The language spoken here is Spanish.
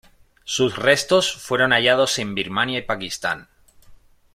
Sus restos fueron hallados en Birmania y Pakistán.